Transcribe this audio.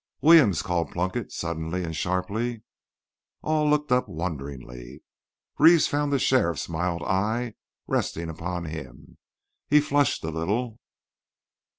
"Williams!" called Plunkett, suddenly and sharply. All looked up wonderingly. Reeves found the sheriff's mild eye resting upon him. He flushed a little.